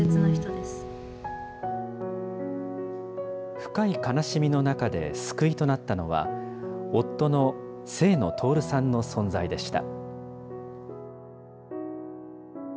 深い悲しみの中で救いとなったのは、夫の清野とおるさんの存在でした。